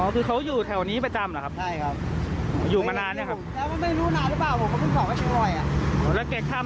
คือแกข้ามของแกทุกวันอย่างนี้ครับ